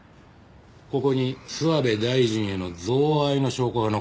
ここに諏訪部大臣への贈賄の証拠が残ってます。